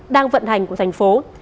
đang vận hành của thành phố